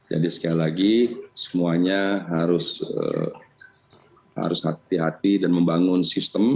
jadi sekali lagi semuanya harus hati hati dan membangun sistem